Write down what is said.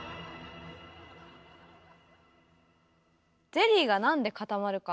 ゼリーがなんで固まるか？